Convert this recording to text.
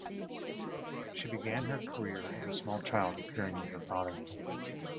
She began her career as a small child appearing with her father.